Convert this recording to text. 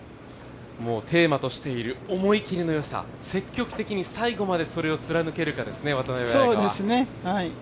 テーマとしている思い切りの良さ、積極的に最後までそれを貫けるかですね、渡邉彩香は。